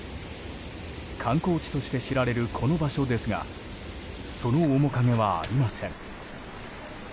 観光地として知られるこの場所ですがその面影はありません。